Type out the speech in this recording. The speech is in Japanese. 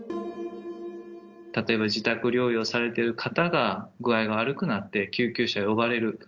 例えば自宅療養されてる方が具合が悪くなって、救急車を呼ばれると。